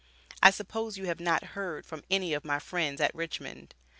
I suppose you have not heard from any of my friends at Richmond.